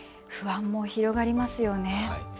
不安も広がりますよね。